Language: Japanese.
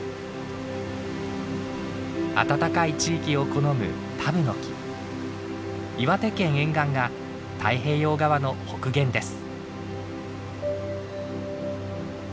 暖かい地域を好む岩手県沿岸が太平洋側の北限です。